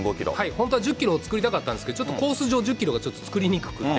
本当は１０キロを作りたかったんですけど、ちょっとコース上、１０キロがちょっと作りにくくて。